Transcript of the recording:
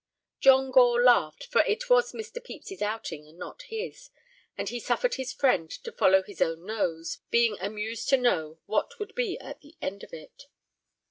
John Gore laughed, for it was Mr. Pepys's outing and not his, and he suffered his friend to follow his own nose, being amused to know what would be the end of it.